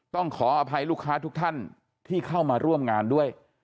ต้องขออภัยลูกค้าทุกท่านที่เข้ามาร่วมงานด้วย